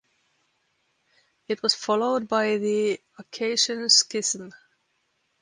It was followed by the Acacian schism.